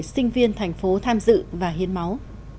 sinh viên thành phố tham dự và hiến máu